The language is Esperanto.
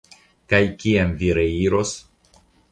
Kaj kiam vi reiros?